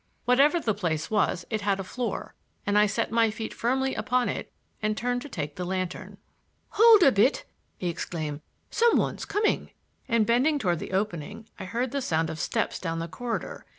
Whatever the place was it had a floor and I set my feet firmly upon it and turned to take the lantern. "Hold a bit," he exclaimed. "Some one's coming," —and bending toward the opening I heard the sound of steps down the corridor.